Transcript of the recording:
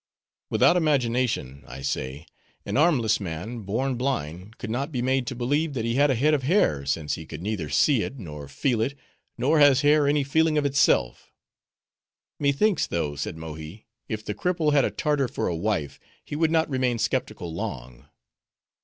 "Without imagination, I say, an armless man, born, blind, could not be made to believe, that he had a head of hair, since he could neither see it, nor feel it, nor has hair any feeling of itself." "Methinks though," said Mohi, "if the cripple had a Tartar for a wife, he would not remain skeptical long."